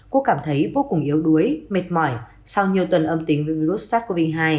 cô cảm thấy vô cùng yếu đuối mệt mỏi sau nhiều tuần âm tính với virus sars cov hai